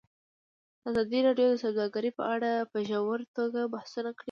ازادي راډیو د سوداګري په اړه په ژوره توګه بحثونه کړي.